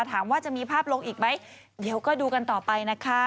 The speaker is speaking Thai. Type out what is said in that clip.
ถามว่าจะมีภาพลงอีกไหมเดี๋ยวก็ดูกันต่อไปนะคะ